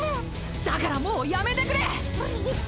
だからもうやめてくれ！